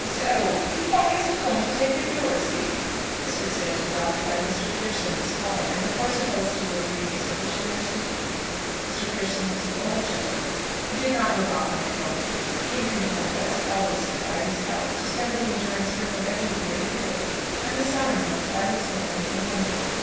"So Peacocke isn't going to take the curacy?" This was said to the Doctor by Mr. Pearson, the squire, in the course of those two or three days of which we are speaking. Mr. Pearson was an old gentleman, who did not live often at Bowick, being compelled, as he always said, by his health, to spend the winter and spring of every year in Italy, and the summer months by his family in London.